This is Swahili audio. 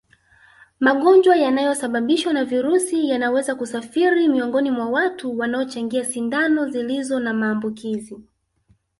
Magonjwa yanayosababishwa na virusi yanaweza kusafiri miongoni mwa watu wanaochangia sindano zilizo na maambukizi